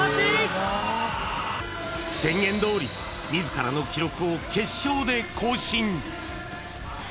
宣言どおり自らの記録を決勝で更新